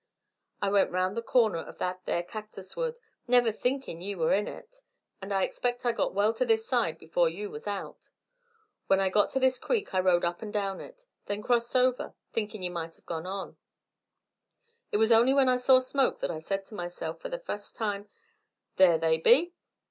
I went round the corner of that there cactus wood, never thinkin' ye were in it, and I expect I got well to this side before you was out. When I got to this creek I rode up and down it, then crossed over, thinkin' ye might hev gone on. It was only when I saw smoke that I said to myself for the fust time: 'There they be.'